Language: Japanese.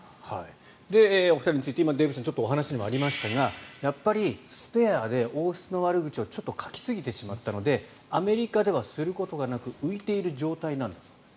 お二人について今、デーブさんからお話にもありましたがやっぱり「スペア」で王室の悪口を書きすぎてしまったのでアメリカではすることがなく浮いている状態なんだそうです。